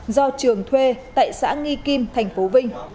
do trường thuê tại xã nghi kim tp vinh